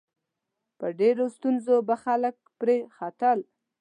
په ډېرو ستونزو به خلک پرې ختل.